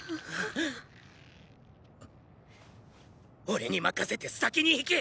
俺に任せて先に行け。